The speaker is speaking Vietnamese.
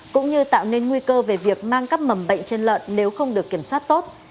cũng như tạo nên nguy cơ về việc mang các mầm bệnh trên lợn nếu không được kiểm soát tốt